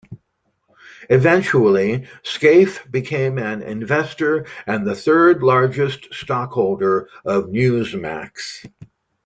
Eventually, Scaife became an investor and the third-largest stockholder of NewsMax.